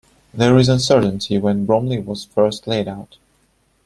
There is uncertainty when Brumley was first laid out.